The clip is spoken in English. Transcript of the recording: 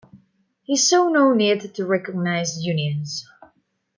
He saw no need to recognise Unions.